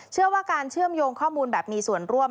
เชื่อว่าการเชื่อมโยงข้อมูลแบบมีส่วนร่วม